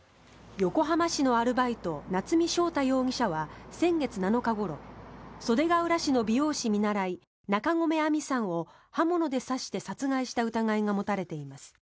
横浜市のアルバイト夏見翔太容疑者は先月７日ごろ袖ケ浦市の美容師見習い中込愛美さんを刃物で刺して殺害した疑いが持たれています。